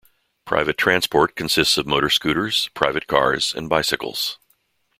Private transport consists of motor scooters, private cars, and bicycles.